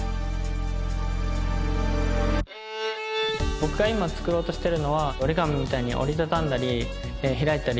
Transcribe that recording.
僕が今作ろうとしているのは折り紙みたいに折り畳んだり開いたり。